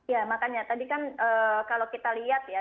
ya makanya tadi kan kalau kita lihat ya